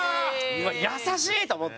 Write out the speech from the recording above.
うわ優しい！と思って。